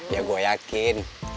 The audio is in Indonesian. ya gua yakin